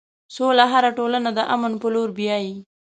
سوله هره ټولنه د امن په لور بیایي.